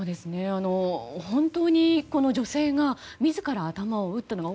本当に女性が自ら頭を撃ったのか。